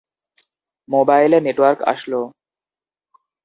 মোবাইলে নেটওয়ার্ক আসল।